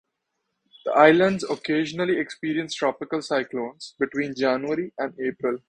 The islands occasionally experience Tropical cyclones between January and April.